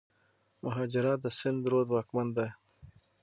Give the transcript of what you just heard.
مهاراجا د سند رود واکمن دی.